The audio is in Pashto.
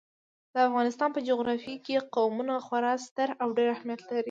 د افغانستان په جغرافیه کې قومونه خورا ستر او ډېر اهمیت لري.